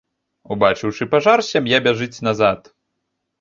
Убачыўшы пажар, сям'я бяжыць назад.